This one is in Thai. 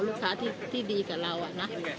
ลูกค้าที่ดีกับเรานะ